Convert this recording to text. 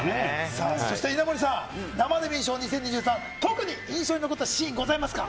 さあそして稲森さん、生デミー賞２０２３、特に印象に残ったシーン、ございますか？